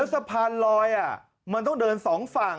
สะพานลอยมันต้องเดินสองฝั่ง